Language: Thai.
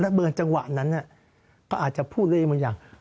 และเมื่อจังหวะนั้นเขาอาจจะพูดเรื่อยบางอย่าง